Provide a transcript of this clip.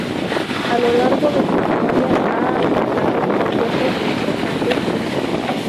A lo largo de su historia ha albergado conciertos de importantes grupos.